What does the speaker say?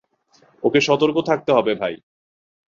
ওকে সতর্ক থাকতে হবে, তাই।